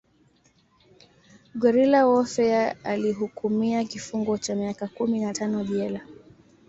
Guerrilla warfar Alihukumia kifungo cha miaka kumi na tano jela